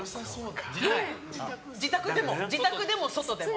自宅でも外でも。